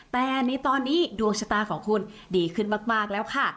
แต่ในตอนนี้ดวงชะตาของคุณดีขึ้นมากแล้วค่ะ